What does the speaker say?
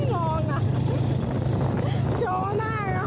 เหมือนเขาจะด่าอย่างนี้ให้